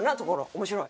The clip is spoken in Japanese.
面白い。